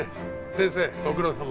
先生ご苦労さま。